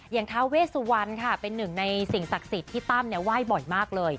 ท้าเวสวรรณค่ะเป็นหนึ่งในสิ่งศักดิ์สิทธิ์ที่ตั้มไหว้บ่อยมากเลย